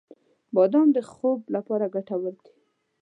• بادام د خوب لپاره ګټور دی.